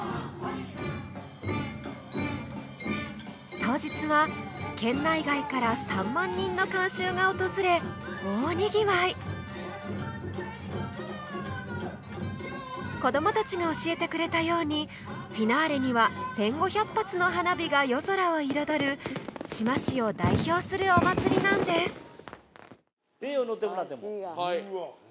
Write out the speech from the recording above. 当日は県内外から３万人の観衆が訪れ大賑わい子どもたちが教えてくれたようにフィナーレには１５００発の花火が夜空を彩る志摩市を代表するお祭りなんですはい。